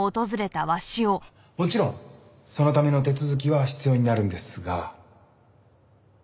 もちろんそのための手続きは必要になるんですが。